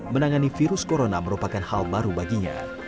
menangani virus corona merupakan hal baru baginya